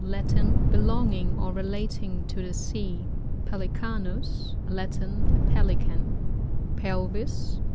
— ^Latin. Belonging or re lating to the sea. Pblicanus. — Latin. A Pelican. Pelvis.